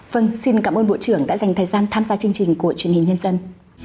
vâng xin cảm ơn bộ trưởng đã dành thời gian tham gia chương trình của truyền hình nhân dân